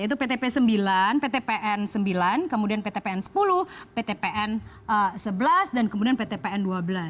yaitu ptp sembilan ptpn sembilan kemudian ptpn sepuluh ptpn sebelas dan kemudian ptpn dua belas